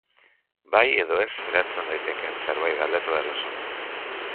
Bai edo ez erantzun daitekeen zerbait galdetu behar duzu.